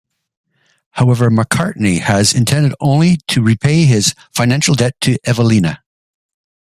However, Macartney has intended only to repay his financial debt to Evelina.